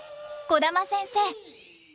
児玉先生。